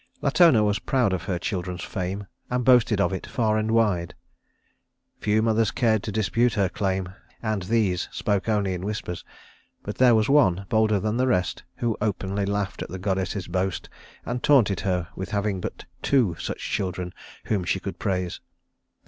Latona was proud of her children's fame, and boasted of it far and wide. Few mothers cared to dispute her claim, and these spoke only in whispers; but there was one, bolder than the rest, who openly laughed at the goddess's boast and taunted her with having but two such children whom she could praise.